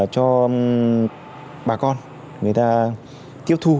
cho bà con người ta tiêu thu